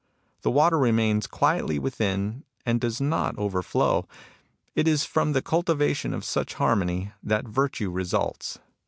The water remains quietly within, and does not overflow. It is from the cultivation of such harmony that virtue results.